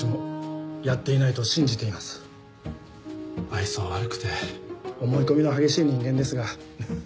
愛想悪くて思い込みの激しい人間ですが